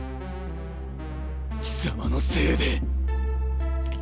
貴様のせいで。